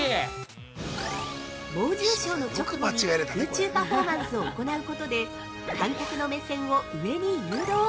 ◆猛獣ショーの直後に空中パフォーマンスを行うことで、観客の目線を上に誘導。